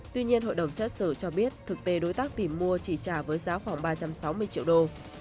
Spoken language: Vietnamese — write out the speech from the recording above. tuy nhiên hội đồng xét xử cho biết thực tế đối tác tìm mua chỉ trả với giá khoảng ba trăm sáu mươi triệu đô